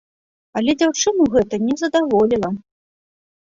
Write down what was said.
Але дзяўчыну гэта не задаволіла.